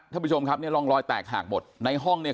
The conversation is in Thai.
ท่านผู้ชมครับเนี่ยร่องรอยแตกหากหมดในห้องเนี่ย